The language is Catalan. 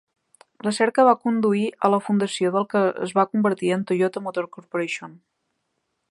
La cerca va conduir a la fundació del que es va convertir en Toyota Motor Corporation.